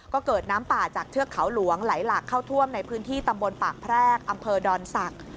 ก็เกิดน้ำป่าจากเทือกเขาหลวงไหลหลากเข้าท่วมในพื้นที่ตำบลปากแพรกอำเภอดอนศักดิ์